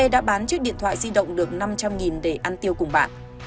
đã bán chiếc điện thoại di động được năm trăm linh để ăn tiêu cùng bạn